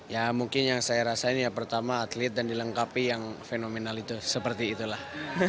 ya mungkin yang saya rasain ya pertama atlet dan dilengkapi yang fenomenal itu seperti itulah